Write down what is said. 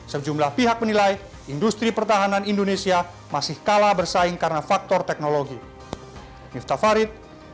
sejumlah pihak menilai industri pertahanan indonesia masih kalah bersaing karena faktor teknologi